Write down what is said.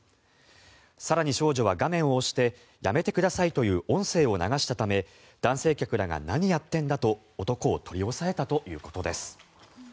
更に少女は画面を押して「やめてください」という音声を流したため男性客らが何やってんだと、男を取り押さえたということです。